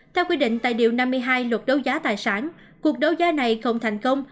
theo quy định tại điều năm mươi hai luật đấu giá tài sản cuộc đấu giá này không thành công